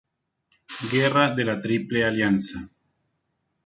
Guerra de la Triple Alianza